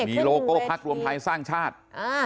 มีโลโก้พักรวมไทยสร้างชาติ